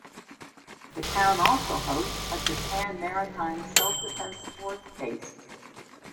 The town also hosts a Japan Maritime Self-Defense Force base.